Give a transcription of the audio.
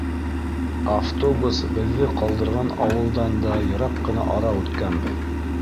Автобус беҙҙе ҡалдырған ауылдан да йыраҡ ҡына ара үткәнбеҙ.